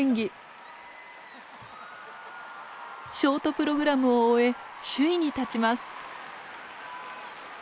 ショートプログラムを終え首位に立ちます。